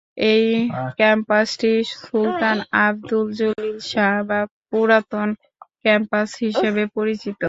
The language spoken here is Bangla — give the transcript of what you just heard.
এই ক্যাম্পাসটি সুলতান আবদুল জলিল শাহ বা পুরাতন ক্যাম্পাস হিসেবে পরিচিত।